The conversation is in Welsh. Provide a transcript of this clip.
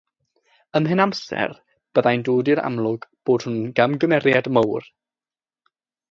Ymhen amser, byddai'n dod i'r amlwg bod hwn yn gamgymeriad mawr.